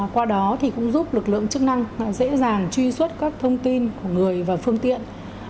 qua đó thì cũng giúp lực lượng chức năng dễ dàng truy xuất các thông tin của người và phương tiện